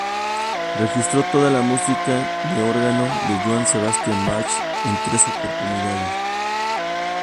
Registro toda la música de órgano de Johann Sebastian Bach en tres oportunidades.